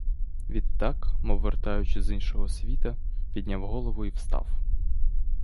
Відтак, мов вертаючи з іншого світа, підняв голову і встав.